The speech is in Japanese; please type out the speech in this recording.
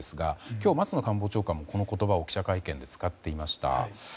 今日、松野官房長官もこの言葉を記者会見で使っていました。